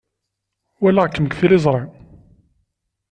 Walaɣ-kem deg tliẓri.